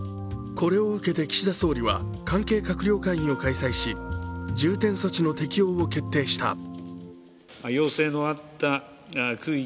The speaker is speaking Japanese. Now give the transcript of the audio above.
これを受けて岸田総理は関係閣僚会議を開催し、重点措置の適用を決定した。